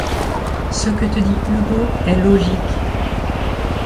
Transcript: Ce que te dit Hugo est logique.